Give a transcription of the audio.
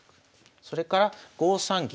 それから５三銀。